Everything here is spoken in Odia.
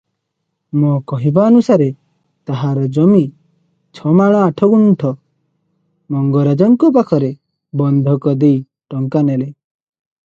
'ମୋ କହିବା ଅନୁସାରେ ତାହାର ଜମି 'ଛମାଣ ଆଠଗୁଣ୍ଠ' ମଙ୍ଗରାଜଙ୍କ ପାଖରେ ବନ୍ଧକ ଦେଇ ଟଙ୍କା ନେଲେ ।